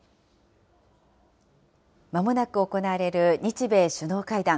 まもなく行われる日米首脳会談。